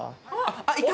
あっいた！